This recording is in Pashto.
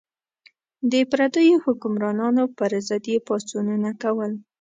د پردیو حکمرانانو پر ضد یې پاڅونونه کول.